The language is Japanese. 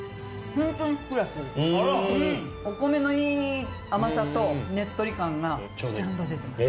お米のいい甘さとねっとり感がちゃんと出てます。